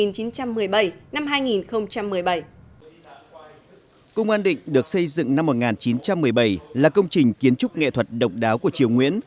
công an định được xây dựng năm một nghìn chín trăm một mươi bảy là công trình kiến trúc nghệ thuật độc đáo của triều nguyễn